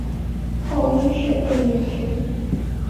后因事被免职。